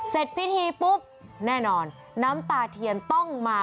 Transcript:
เสร็จพิธีปุ๊บแน่นอนน้ำตาเทียนต้องมา